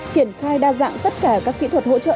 triển khai đa dạng tất cả các kỹ thuật hỗ trợ